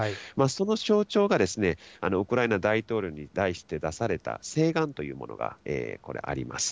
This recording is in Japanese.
その象徴が、ウクライナ大統領に対して出された請願というものがあります。